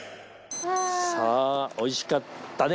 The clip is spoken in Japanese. さあおいしかったね。